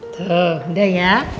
tuh udah ya